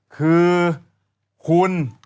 คือคุณ